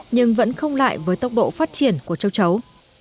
nhưng vẫn không lại với tốc độ phát triển của trâu trấu